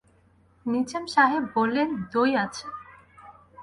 নিজাম সাহেব বললেন, দৈ আছে।